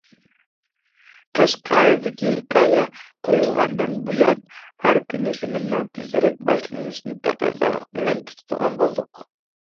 « قەشقەردىكى ھېكايە» قويۇلغاندىن بۇيان، ھەر كۈنى فىلىمنىڭ تېزرەك باشلىنىشىنى تەقەززالىق بىلەن كۈتىدىغان بولدۇق.